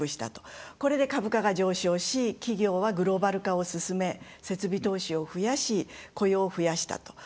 これで株価が上昇し企業はグローバル化を進め設備投資を増やし雇用を増やしたと。